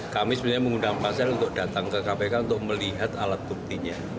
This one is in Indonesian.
kami sebenarnya mengundang pansel untuk datang ke kpk untuk melihat alat buktinya